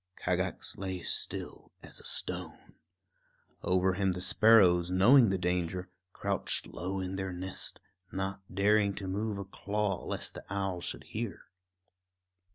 Kagax lay still as a stone. Over him the sparrows, knowing the danger, crouched low in their nest, not daring to move a claw lest the owl should hear.